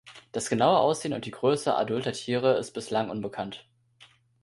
Das genaue Aussehen und die Größe adulter Tiere ist bislang unbekannt.